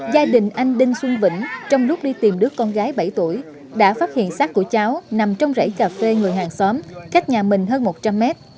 gia đình anh đinh xuân vĩnh trong lúc đi tìm đứa con gái bảy tuổi đã phát hiện sát của cháu nằm trong rẫy cà phê người hàng xóm cách nhà mình hơn một trăm linh mét